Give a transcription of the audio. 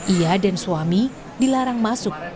ia dan suami dilarang masuk